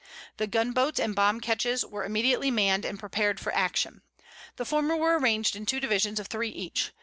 The gun boats and bomb ketches were immediately manned and prepared for action. The former were arranged in two divisions of three each.